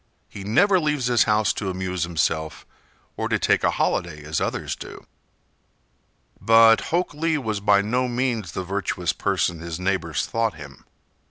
He never leaves his house to amuse himself or to take a holiday as others do!" But Hok Lee was by no means the virtuous person his neighbors thought him.